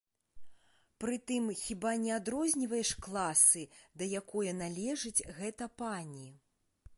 Прытым, хіба не адрозніваеш класы, да якое належыць гэта пані?